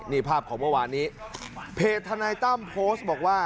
นี่ภาพของเมื่อวานนี้เพจทนายตั้มโพสต์บอกว่า